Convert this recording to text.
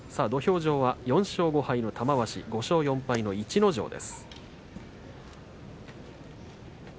土俵上は４勝５敗の玉鷲５勝４敗の逸ノ城。